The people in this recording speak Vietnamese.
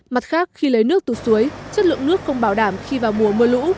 mặt khác khi lấy nước từ suối chất lượng nước không bảo đảm khi vào mùa mưa lũ